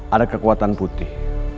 ada kekuatan putih